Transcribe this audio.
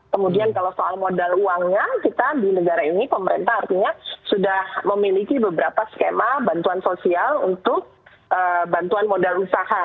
kemudian kalau soal modal uangnya kita di negara ini pemerintah artinya sudah memiliki beberapa skema bantuan sosial untuk bantuan modal usaha